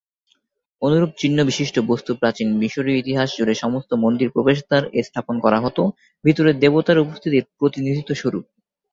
অনুরূপ চিহ্ন বিশিষ্ট বস্তু প্রাচীন মিশরীয় ইতিহাস জুড়ে সমস্ত মন্দির প্রবেশদ্বার এ স্থাপন করা হত ভিতরে দেবতার উপস্থিতির প্রতিনিধিত্ব স্বরূপ।